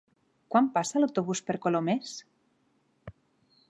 Quan passa l'autobús per Colomers?